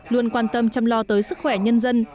luôn quan tâm chăm lo tới sức khỏe nhân dân